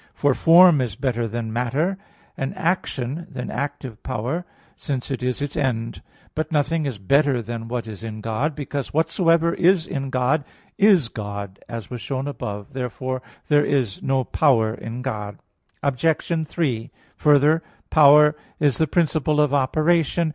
For form is better than matter; and action than active power, since it is its end. But nothing is better than what is in God; because whatsoever is in God, is God, as was shown above (Q. 3, A. 3). Therefore, there is no power in God. Obj. 3: Further, Power is the principle of operation.